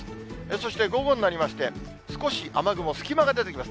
そして午後になりまして、少し雨雲、隙間が出てきます。